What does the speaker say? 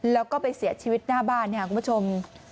แล้วก็ไปเสียชีวิตหน้าบ้านเนี่ยคุณผู้ชม